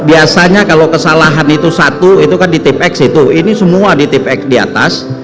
biasanya kalau kesalahan itu satu itu kan di tip x itu ini semua di tip x di atas